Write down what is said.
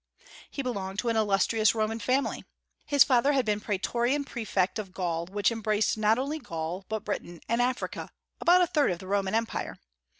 He belonged to an illustrious Roman family. His father had been praetorian prefect of Gaul, which embraced not only Gaul, but Britain and Africa, about a third of the Roman Empire.